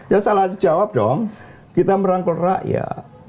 ya salah jawab dong kita merangkul rakyat